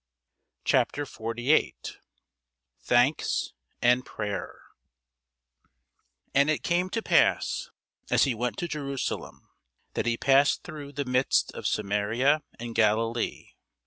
CHAPTER 48 THANKS AND PRAYER AND it came to pass, as he went to Jerusalem, that he passed through the midst of Samaria and Galilee.